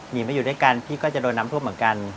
หนีมาอยู่ด้วยกันพี่ก็จะโดนน้ำท่วมเหมือนกัน